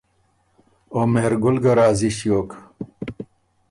او مهرګل ګۀ راضي ݭیوک